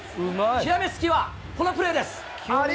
極めつけは、このプレーです。